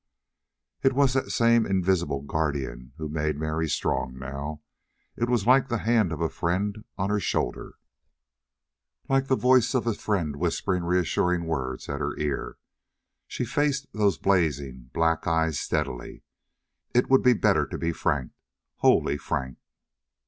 It was that same invisible guardian who made Mary strong now; it was like the hand of a friend on her shoulder, like the voice of a friend whispering reassuring words at her ear. She faced those blazing, black eyes steadily. It would be better to be frank, wholly frank.